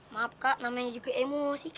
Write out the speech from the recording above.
maaf kak namanya juga emosi